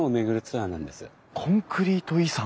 コンクリート遺産！